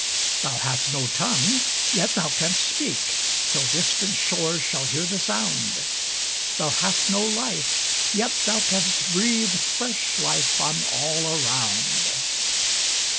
Thou hast no tongue, yet thou canst speak, Till distant shores shall hear the sound; Thou hast no life, yet thou canst breathe Fresh life on all around.